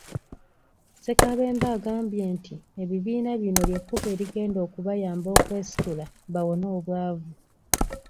Ssekabembe agambye nti ebibiina bino ly'ekkubo erigenda okubayamba okwesitula bawone obwavu.